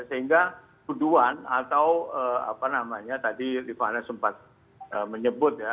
sehingga tuduhan atau apa namanya tadi rifana sempat menyebut ya